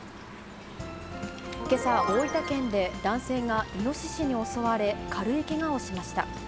けさ、大分県で男性がイノシシに襲われ、軽いけがをしました。